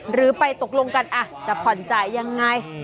หรือไปตกลงกันจะผ่อนจ่ายยังไง